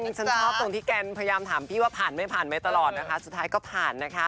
ฉันชอบตรงที่แกนพยายามถามพี่ว่าผ่านไม่ผ่านไหมตลอดนะคะสุดท้ายก็ผ่านนะคะ